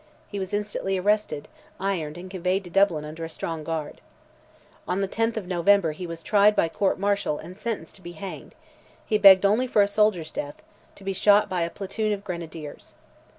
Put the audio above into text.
He was instantly arrested, ironed, and conveyed to Dublin under a strong guard. On the 10th of November he was tried by court martial and sentenced to be hanged: he begged only for a soldier's death—"to be shot by a platoon of grenadiers."